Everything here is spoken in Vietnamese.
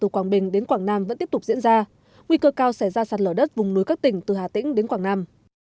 quảng bình đến quảng nam vẫn tiếp tục diễn ra nguy cơ cao sẽ ra sạt lở đất vùng núi các tỉnh từ hà tĩnh đến quảng nam